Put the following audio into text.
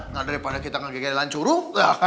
nah daripada kita ngegegelan curuh